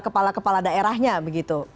kepala kepala daerahnya begitu